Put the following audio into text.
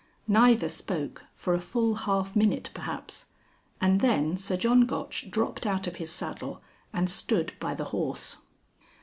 Neither spoke for a full half minute perhaps, and then Sir John Gotch dropped out of his saddle and stood by the horse.